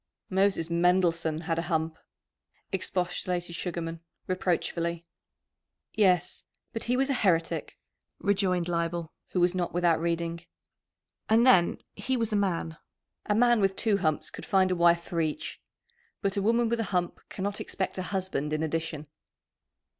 "Moses Mendelssohn had a hump," expostulated Sugarman reproachfully. "Yes, but he was a heretic," rejoined Leibel, who was not without reading. "And then he was a man! A man with two humps could find a wife for each. But a woman with a hump cannot expect a husband in addition."